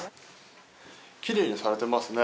きれいにされてますね。